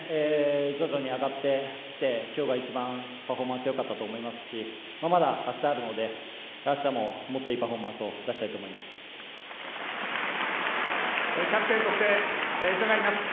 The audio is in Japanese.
徐々に上がってきて今日が一番パフォーマンスよかったと思いますしまだ、あしたあるのであしたも、もっといいパフォーマンスを出したいとキャプテンとして伺います。